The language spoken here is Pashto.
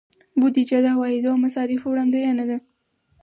بودیجه د عوایدو او مصارفو وړاندوینه ده.